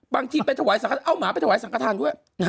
บางทีเอาหมาไปถ่วยสังกระทานด้วย